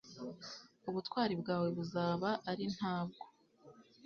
ubutwari bwawe buzaba ari nta bwo